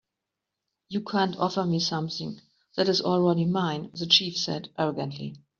"You can't offer me something that is already mine," the chief said, arrogantly.